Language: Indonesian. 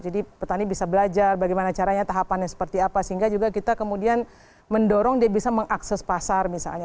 jadi petani bisa belajar bagaimana caranya tahapannya seperti apa sehingga juga kita kemudian mendorong dia bisa mengakses pasar misalnya